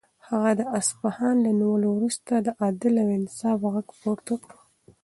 هغه د اصفهان له نیولو وروسته د عدل او انصاف غږ پورته کړ.